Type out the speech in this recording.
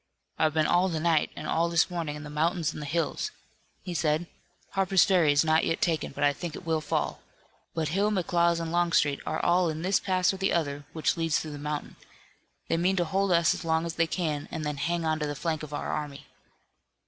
"I've been all the night and all this morning in the mountains and hills," he said. "Harper's Ferry is not yet taken, but I think it will fall. But Hill, McLaws and Longstreet are all in this pass or the other which leads through the mountain. They mean to hold us as long as they can, and then hang on to the flank of our army."